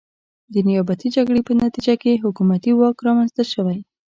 د نیابتي جګړې په نتیجه کې حکومتي واک رامنځته شوی.